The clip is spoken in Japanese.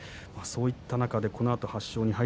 そういった中でこのあと８勝２敗